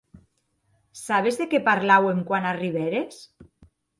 Sabes de qué parlàuem quan arribères?